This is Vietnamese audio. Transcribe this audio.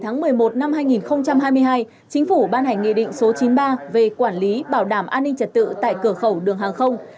ngày một mươi một năm hai nghìn hai mươi hai chính phủ ban hành nghị định số chín mươi ba về quản lý bảo đảm an ninh trật tự tại cửa khẩu đường hàng không